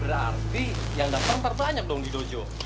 berarti yang datang terbanyak dong di dojo